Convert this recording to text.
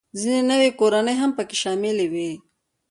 ځینې نوې کورنۍ هم پکې شاملې وې